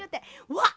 わっ！